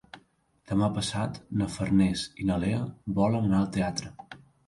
Demà passat na Farners i na Lea volen anar al teatre.